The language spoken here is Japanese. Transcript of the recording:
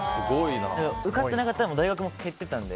受かってなかったら大学も蹴ってたんで。